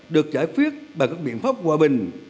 được giải quyết bằng các biện pháp hòa bình